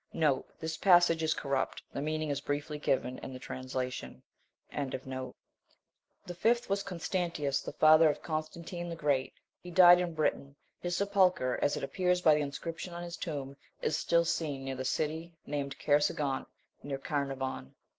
This passage is corrupt, the meaning is briefly given in the translation. 25. The fifth was Constantius the father of Constantine the Great. He died in Britain; his sepulchre, as it appears by the inscription on his tomb, is still seen near the city named Cair segont (near Carnarvon).